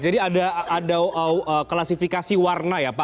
jadi ada klasifikasi warna ya pak